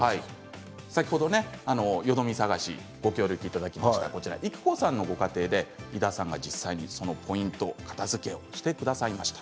先ほど、よどみ探しご協力いただきました育子さんのご家庭で井田さんが実際に片づけをしてくださいました。